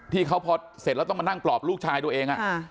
ที่เขาพอเสร็จแล้วต้องมานั่งปลอบลูกชายตัวเอง